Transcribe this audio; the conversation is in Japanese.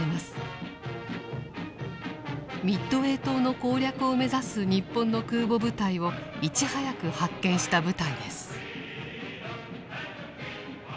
ミッドウェー島の攻略を目指す日本の空母部隊をいち早く発見した部隊です。